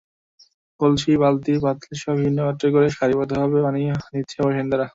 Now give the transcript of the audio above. কলস, বালতি, পাতিলসহ বিভিন্ন পাত্রে করে সারিবদ্ধ ভাবে পানি নিচ্ছে বাসিন্দারা।